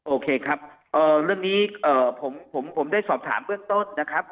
โอเคครับเรื่องนี้ผมได้สอบถามเบื้องต้นนะครับ